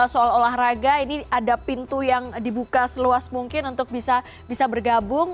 soal olahraga ini ada pintu yang dibuka seluas mungkin untuk bisa bergabung